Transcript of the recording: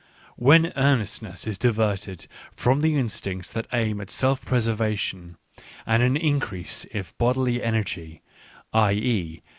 When earnest ness is diverted from the instincts that aim at self preservation and an increase of bodily energy, i.e.